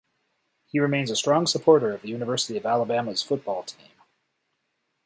He remains a strong supporter of the University of Alabama's football team.